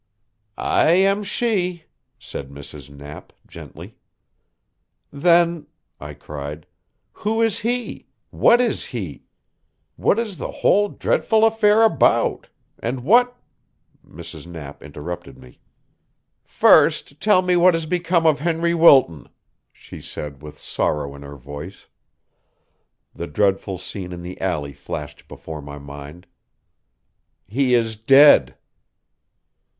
"I am she," said Mrs. Knapp gently. "Then," I cried, "who is he? what is he? what is the whole dreadful affair about? and what " Mrs. Knapp interrupted me. "First tell me what has become of Henry Wilton?" she said with sorrow in her voice. The dreadful scene in the alley flashed before my mind. "He is dead."